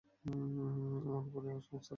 আমার উপরেই সমস্ত রাগ!